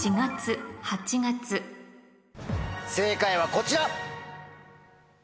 正解はこちら！